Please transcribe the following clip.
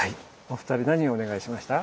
お二人何お願いしました？